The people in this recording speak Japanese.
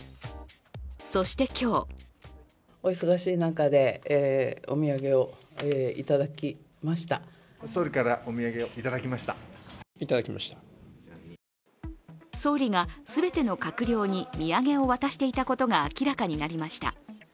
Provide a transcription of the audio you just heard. そして今日総理が全ての閣僚に土産を渡していたことが明らかになりました。